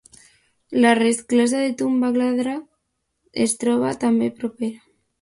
La resclosa de Tungabhadra es troba també propera.